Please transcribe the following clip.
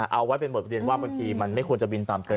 เอาไว้เป็นบทเรียนว่าบางทีมันไม่ควรจะบินตามเกิน